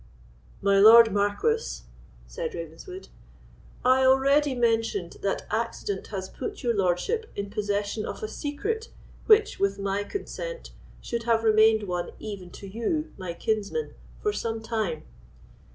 "My Lord Marquis," said Ravenswood, "I already mentioned that accident has put your lordship in possession of a secret which, with my consent, should have remained one even to you, my kinsman, for some time.